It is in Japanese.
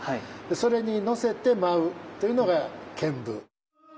それに乗せて舞うっていうのが「剣舞」。